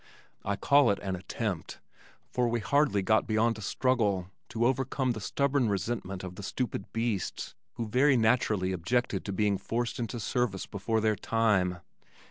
I call it an attempt, for we hardly got beyond a struggle to overcome the stubborn resentment of the stupid beasts, who very naturally objected to being forced into service before their time.